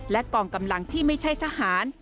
และกองกำลังที่ไม่ใช่ทหาร